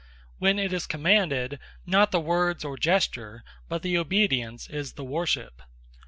When it is Commanded, not the words, or gestures, but the obedience is the Worship.